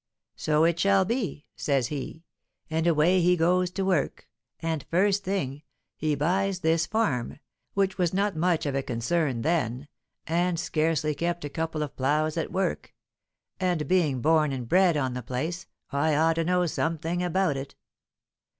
So it shall be,' says he, and away he goes to work, and, first thing, he buys this farm, which was not much of a concern then, and scarcely kept a couple of ploughs at work; and, being born and bred on the place, I ought to know something about it.